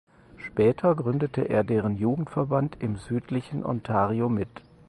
Später gründete er deren Jugendverband im südlichen Ontario mit.